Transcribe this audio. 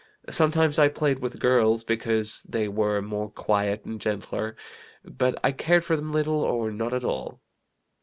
Sometimes I played with girls because they were more quiet and gentler, but I cared for them little or not at all.